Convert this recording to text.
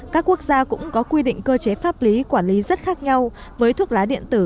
các quốc gia cũng có quy định cơ chế pháp lý quản lý rất khác nhau với thuốc lá điện tử